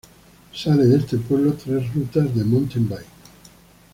Sale de este pueblos tres rutas de Mountain Bike.